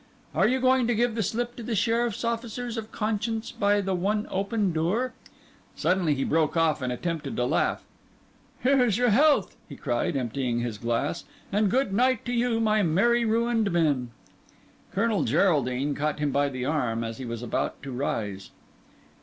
Are you going to give the slip to the sheriff's officers of conscience by the one open door?" Suddenly he broke off and attempted to laugh. "Here is your health!" he cried, emptying his glass, "and good night to you, my merry ruined men." Colonel Geraldine caught him by the arm as he was about to rise.